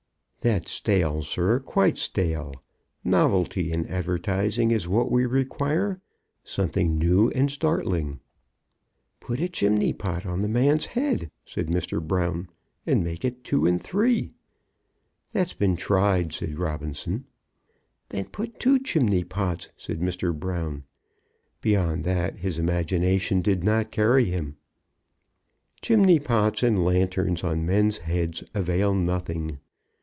"That's stale, sir, quite stale; novelty in advertising is what we require; something new and startling." "Put a chimney pot on the man's head," said Mr. Brown, "and make it two and three." "That's been tried," said Robinson. "Then put two chimney pots," said Mr. Brown. Beyond that his imagination did not carry him. Chimney pots and lanterns on men's heads avail nothing.